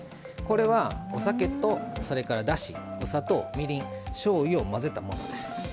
これはお酒とそれからだしお砂糖みりんしょうゆを混ぜたものです。